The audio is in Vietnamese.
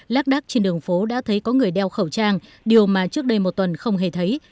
lác đắc trên đường phố đã thấy có người đeo khẩu trang điều mà trước đây một tuần không hề thấy